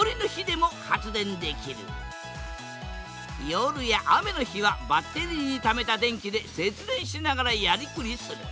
夜や雨の日はバッテリーにためた電気で節電しながらやりくりする。